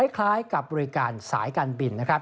คล้ายกับบริการสายการบิน